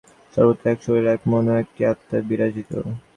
সর্বত্র এক শরীর, এক মন ও একটি আত্মা বিরাজিত।